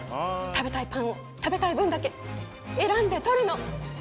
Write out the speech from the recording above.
食べたいパンを食べたい分だけ選んで取るの！